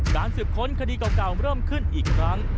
สืบค้นคดีเก่าเริ่มขึ้นอีกครั้ง